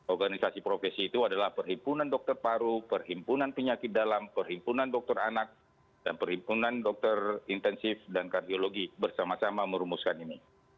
organisasi profesi itu adalah perhimpunan dokter paru perhimpunan penyakit dalam perhimpunan dokter anak dan perhimpunan dokter intensif dan kardiologi bersama sama merumuskan ini